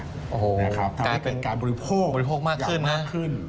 ทำให้เป็นการบริโภคยาวมากขึ้น